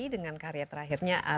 dengan karya terakhirnya aron